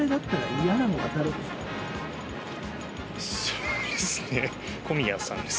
そうですね。